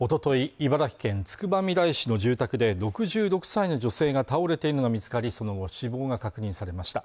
茨城県つくばみらい市の住宅で６６歳の女性が倒れているのが見つかりその後死亡が確認されました